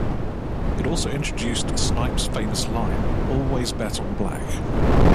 It also introduced Snipes' famous line: Always bet on black.